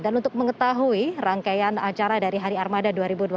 dan untuk mengetahui rangkaian acara dari hari armada dua ribu dua puluh satu